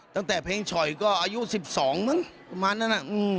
ตั้งแต่เพลงช่อยก็อายุ๑๒ประมาณนั้นอ่ะ